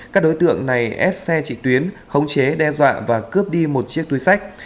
các đối tượng này ép xe trị tuyến khống chế đe dọa và cướp đi một chiếc túi sách